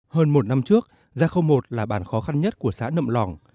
hơn một năm trước gia khâu một là bàn khó khăn nhất của xã nậm lòng